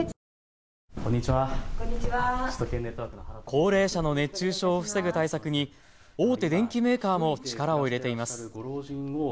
高齢者の熱中症を防ぐ対策に大手電機メーカーも力を入れています。